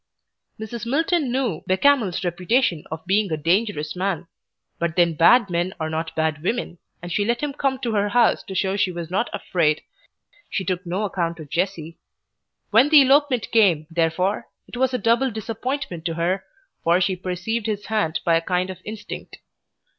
Mrs. Milton knew Bechamel's reputation of being a dangerous man; but then bad men are not bad women, and she let him come to her house to show she was not afraid she took no account of Jessie. When the elopement came, therefore, it was a double disappointment to her, for she perceived his hand by a kind of instinct.